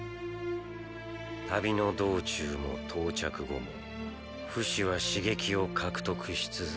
旅の道中も到着後もフシは刺激を獲得し続けた。